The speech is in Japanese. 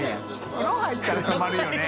風呂入ったら泊まるよね。